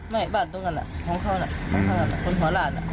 ไม่บ้านตรงนั้นล่ะห้องข้องนั้นห้องข้องนั้นห้องข้องหลานอ่ะ